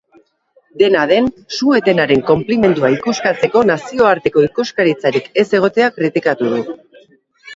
Dena den, su-etenaren konplimendua ikuskatzeko nazioarteko ikuskaritzarik ez egotea kritikatu du.